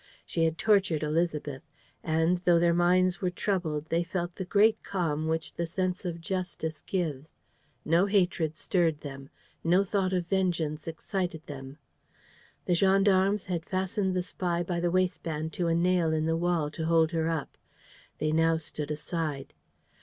She had tortured Élisabeth. And, though their minds were troubled, they felt the great calm which the sense of justice gives. No hatred stirred them. No thought of vengeance excited them. The gendarmes had fastened the spy by the waistband to a nail in the wall, to hold her up. They now stood aside.